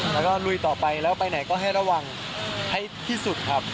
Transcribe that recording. แล้วก็ลุยต่อไปแล้วไปไหนก็ให้ระวังให้ที่สุดครับ